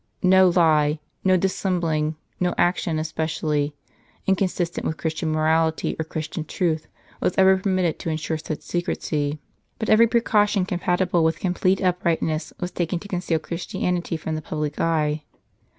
No lie, no dissembling, no action especially, inconsistent with Christian morality or Christian truth, was ever permitted to ensure such secrecy. But every precaution compatible with com plete uprightness was taken to conceal Christianity from the public eye.